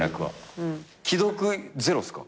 既読ゼロっすか？